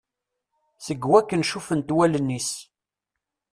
Seg wakken cufent wallen-is.